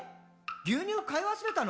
牛乳買い忘れたの？」